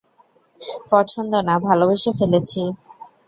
পছন্দ না, ভালোবেসে ফেলেছি।